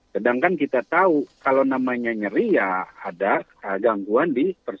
sedangkan kita tahu kalau namanya nyeri ya ada gangguan